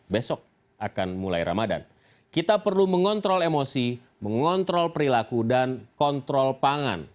besok akan mulai ramadhan kita perlu mengontrol emosi mengontrol perilaku dan kontrol pangan